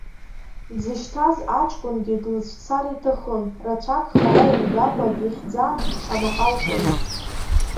Дзышьҭаз аҷкәынгьы длыцәцар иҭахын, рацәак хара имгакәа дихьӡан, амаҟа лҟьеит.